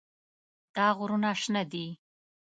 دا غرونه شنه دي.